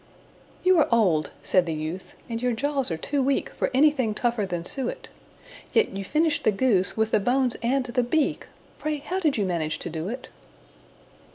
"You are old," said the youth, "and your jaws are too weak For anything tougher than suet; Yet you finished the goose, with the bones and the beak Pray, how did you manage to do it?"